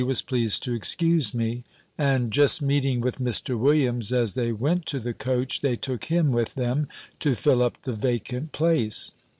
was pleased to excuse me; and just meeting with Mr. Williams, as they went to the coach, they took him with them, to fill up the vacant place.